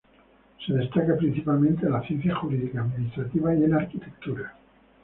Se destaca principalmente en las Ciencias Jurídicas, Administrativas y en Arquitectura.